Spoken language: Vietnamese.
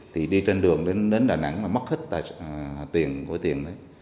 thì đi trên đường đến đà nẵng mà mất hết tiền của tiền đấy